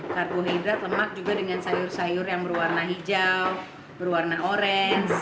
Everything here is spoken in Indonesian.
karbohidrat lemak juga dengan sayur sayur yang berwarna hijau berwarna orange